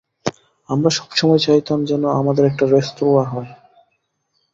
আমারা সবসময় চাইতাম যেন আমাদের একটা রেস্তোরাঁ হয়।